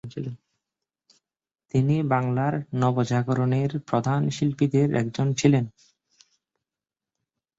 তিনি বাংলার নবজাগরণের প্রধান শিল্পীদের একজন ছিলেন।